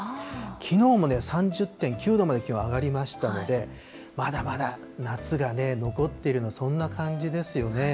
きのうも３０．９度まで気温上がりましたので、まだまだ夏がね、残っているような、そんな感じですよね。